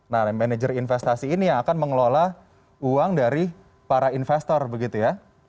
nah manajer investasi ini yang akan mengelola uang dari para investor begitu ya